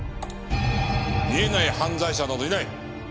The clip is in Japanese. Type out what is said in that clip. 見えない犯罪者などいない。